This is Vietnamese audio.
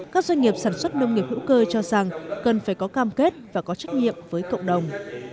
các doanh nghiệp sản xuất nông nghiệp hữu cơ cho rằng cần phải có cam kết và có trách nhiệm với cộng đồng